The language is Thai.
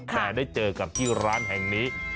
แต่ได้เจอกับที่ร้านแห่งนี้